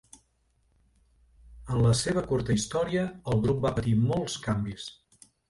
En la seva curta història, el grup va patir molts canvis.